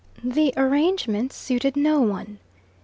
The arrangement suited no one.